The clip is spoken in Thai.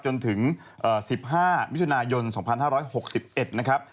จนถึง๑๕มิถุนายน๒๕๖๑นะครับ